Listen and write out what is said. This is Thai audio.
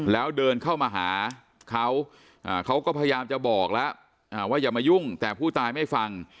แล้วเดินเข้ามาหาเขาเขาก็พยายามจะบอกแล้วว่าอย่ามายุ่งแต่ผู้ตายไม่ฟัง